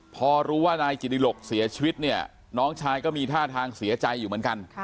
พอรู้ว่านายจิติหลกเสียชีวิตเนี่ยน้องชายก็มีท่าทางเสียใจอยู่เหมือนกัน